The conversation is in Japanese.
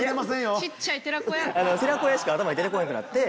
「寺子屋」しか頭に出てこうへんくなって。